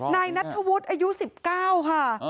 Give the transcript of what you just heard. นายนัทธวุฒิอายุสิบเก้าค่ะอ๋อ